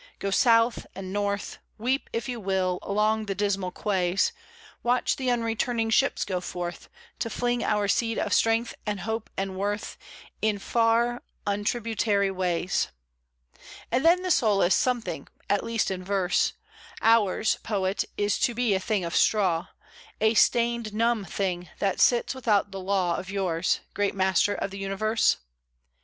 Go South and North; Weep, if you will, along the dismal quays, Watching the unreturning ships go forth To fling our seed of strength and hope and worth In far, untributary ways. And then the soul is something at least in verse. Ours, poet, is to be a thing of straw, A stained, numb thing, that sits without the law Of yours, great master of the universe?